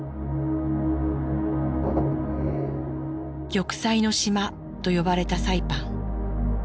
「玉砕の島」と呼ばれたサイパン。